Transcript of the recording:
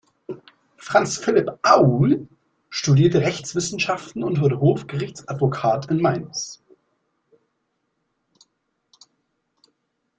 Franz Philipp Aull studierte Rechtswissenschaften und wurde Hofgerichtsadvokat in Mainz.